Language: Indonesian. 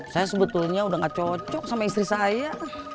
saya sebetulnya udah gak cocok sama istri saya